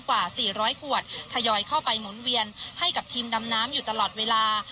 กว่า๔๐๐ขวดทยอยเข้าไปหมุนเวียนให้กับทีมดำน้ำอยู่ตลอดเวลา